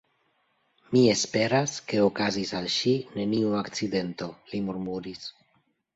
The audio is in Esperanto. Mi esperas, ke okazis al ŝi neniu akcidento, li murmuris.